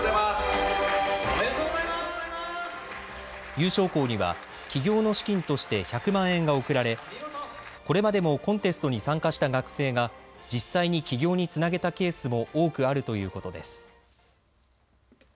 優勝校には起業の資金として１００万円が贈られこれまでもコンテストに参加した学生が実際に起業につなげたケースも多くあるということです。